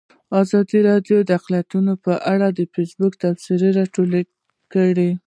ازادي راډیو د اقلیتونه په اړه د فیسبوک تبصرې راټولې کړي.